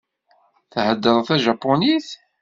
Theddreḍ tajapunit?